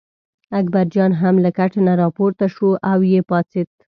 اکبرجان هم له کټ نه راپورته شو او یې پاڅېد.